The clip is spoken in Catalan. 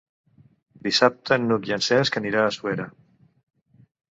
Dissabte n'Hug i en Cesc aniran a Suera.